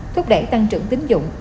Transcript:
thúc đẩy tăng trưởng tính dụng